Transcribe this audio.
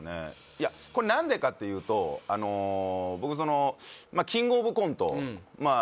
いやこれ何でかっていうと僕そのキングオブコントまあ